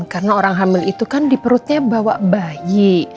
karena orang hamil itu kan di perutnya bawa bayi